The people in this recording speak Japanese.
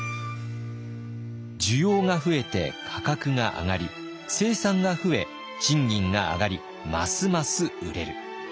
需要が増えて価格が上がり生産が増え賃金が上がりますます売れる。